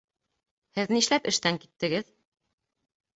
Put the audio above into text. Һеҙ нишләп эштән киттегеҙ?